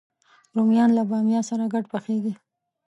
رومیان له بامیه سره ګډ پخېږي